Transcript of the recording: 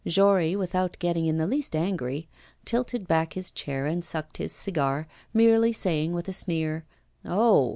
Jory, without getting in the least angry, tilted back his chair and sucked his cigar, merely saying with a sneer: 'Oh!